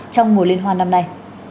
trong mùa liên hoan năm nay